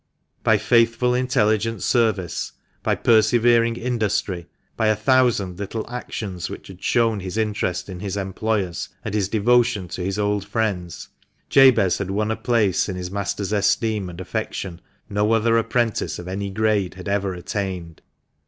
By faithful, intelligent service ; by per severing industry, by a thousand little actions which had shown his interest in his employers, and his devotion to his old friends, Jabez had. won a place in his master's esteem and affection no other apprentice of any grade had ever attained.